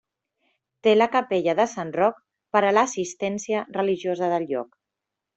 Té la capella de Sant Roc per a l'assistència religiosa del lloc.